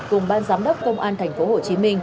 cùng ban giám đốc công an tp hcm